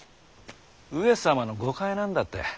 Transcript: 上様の誤解なんだって。